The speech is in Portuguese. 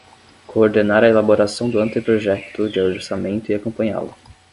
Coordenar a elaboração do anteprojecto de orçamento e acompanhá-lo.